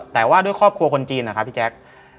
แต่ว่าด้วยครอบครัวคนจีนนะครับพี่แจ๊ค